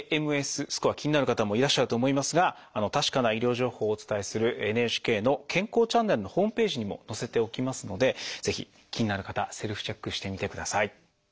ＡＭＳスコア気になる方もいらっしゃると思いますが確かな医療情報をお伝えする「ＮＨＫ健康チャンネル」のホームページにも載せておきますのでぜひ気になる方はセルフチェックしてみてください。